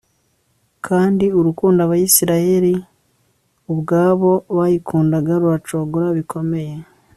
kandi urukundo abisirayeli ubwabo bayikundaga ruracogora bikomeye